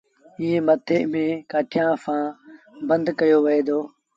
ائيٚݩ مٿي منهن ڪآٺيٚآن سآݩ بند ڪيو وهي دو۔